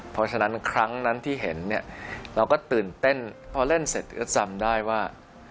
เพราะฉะนั้นครั้งนั้นที่เห็นเนี่ยเราก็ตื่นเต้นพอเล่นเสร็จก็จำได้ว่า